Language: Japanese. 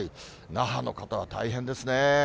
那覇の方は大変ですね。